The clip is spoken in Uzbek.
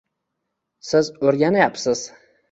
Siz o’rganayapsiz